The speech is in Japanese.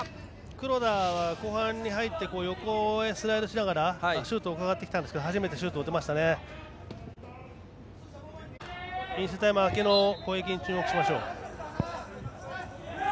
黒田、後半に入って横にスライドしながらシュートをうかがってきたんですけど初めてシュートを打てましたね。